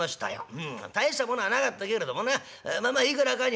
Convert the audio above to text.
うん大したものはなかったけれどもなまあまあいくらかにはなった。